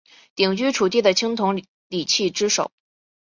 鼎居楚地的青铜礼器之首。